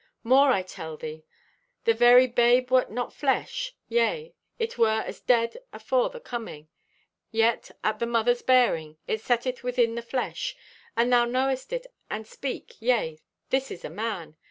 "More I tell thee. Thy very babe wert not flesh; yea, it were as dead afore the coming. Yet, at the mother's bearing, it setteth within the flesh. And thou knowest it and speak, yea, this is a man.